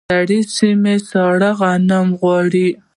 سړې سیمې سړې غنم غواړي.